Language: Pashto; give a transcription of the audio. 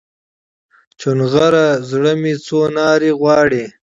چونغره زړه مې څو نارې غواړي